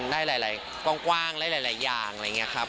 ได้หลายกว้างได้หลายอย่างอะไรอย่างนี้ครับ